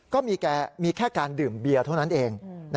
ก็มีแค่การดื่มเบียร์เท่านั้นเอง